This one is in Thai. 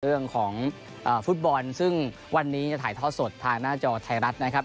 เรื่องของฟุตบอลซึ่งวันนี้จะถ่ายทอดสดทางหน้าจอไทยรัฐนะครับ